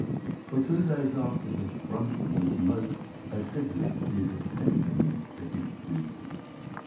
"'For two days after this Brunton was most assiduous in his attention to his duties.